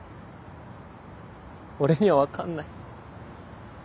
俺には分かんない。